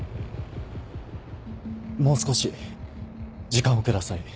もう少し時間を下さい。